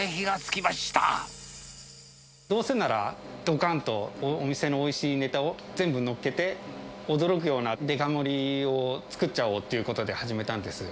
どうせなら、どかんとお店のおいしいネタを全部のっけて驚くようなデカ盛りを作っちゃおうということで始めたんです。